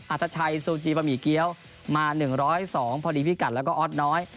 อัตชัยซูจิปะหมี่เกี๊ยวมา๑๐๒ปอนพอดีพิกัดแล้วก็อ๊อตน้อย